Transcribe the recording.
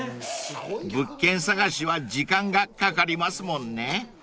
［物件探しは時間がかかりますもんね］